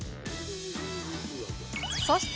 そして